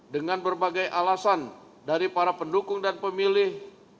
dengan berbagai alasan dari para pendukung dan pemilih